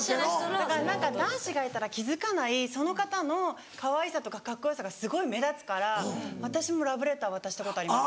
男子がいたら気付かないその方のかわいさとかカッコ良さがすごい目立つから私もラブレター渡したことあります。